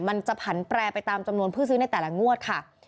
มันจะผันแปรไปตามจำนวนผู้ซื้อในแต่ละงวดค่ะ